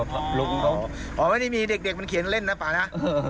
หรือว่าไม่มีเด็กมันเขียนเล่นนะฟักนะ